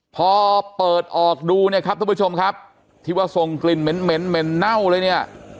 พอเปิดออกดูเนี่ยครับท่านผู้ชมครับที่ว่าส่งกลิ่นเหม็นเหม็นเน่าเลยเนี่ย